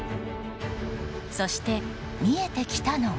そして、見えてきたのは。